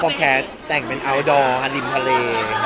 ก็แม้แต่งเป็นอาว์ดอร์ดออบดินทะเล